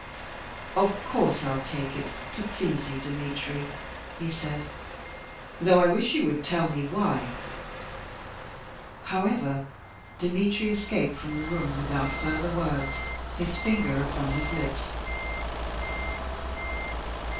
"Of course I'll take it to please you, Dmitry," he said, "though I wish you would tell me why." However, Dmitry escaped from the room without further words, his finger upon his lips.